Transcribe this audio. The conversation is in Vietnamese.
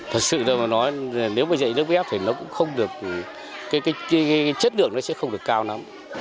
thật sự là nếu mà dạy lớp ghép thì nó cũng không được cái chất lượng nó sẽ không được cao lắm